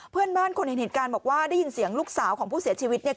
เพื่อนบ้านคนเห็นเหตุการณ์บอกว่าได้ยินเสียงลูกสาวของผู้เสียชีวิตเนี่ย